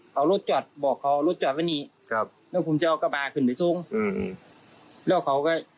พี่บ๊ายพี่บ๊ายพี่บ๊ายพี่บ๊ายพี่บ๊ายพี่บ๊าย